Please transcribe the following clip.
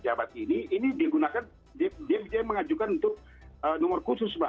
jadi yang digunakan oleh para pejabat ini ini dia mengajukan untuk nomor khusus mbak